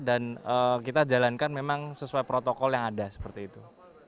dan kita jalankan memang sesuai protokol yang ada seperti itu